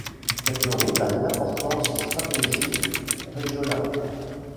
Cette route a une importance stratégique régionale.